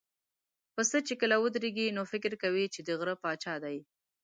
پسه چې کله ودرېږي، نو فکر کوي چې د غره پاچا دی.